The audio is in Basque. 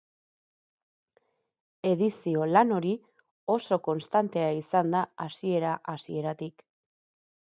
Edizio lan hori oso konstantea izan da hasiera-hasieratik.